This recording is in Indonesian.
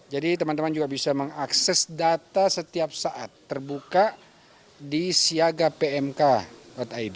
jadi teman teman juga bisa mengakses data setiap saat terbuka di siaga pmk id